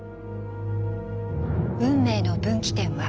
運命の分岐点は。